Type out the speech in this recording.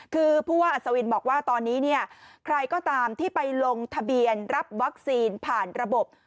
คือผู้ว่าอัศวินบอกว่าตอนนี้เนี่ยใครก็ตามที่ไปลงทะเบียนรับวัคซีนผ่านระบบ